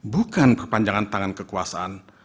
bukan perpanjangan tangan kekuasaan